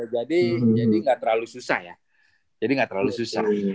jadi gak terlalu susah ya jadi gak terlalu susah